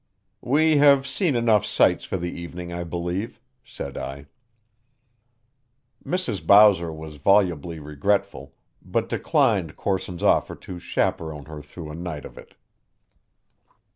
"We have seen enough sights for the evening, I believe," said I. Mrs. Bowser was volubly regretful, but declined Corson's offer to chaperon her through a night of it.